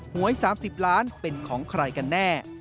หวย๓๐ล้านเป็นของใครกันแน่